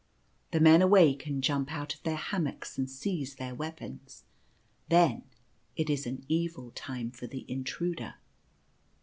The men awake and jump out of their hammocks, and seize their weapons. Then it is an evil time for the intruder.